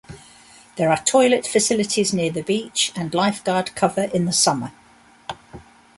There are toilet facilities near the beach and lifeguard cover in the summer.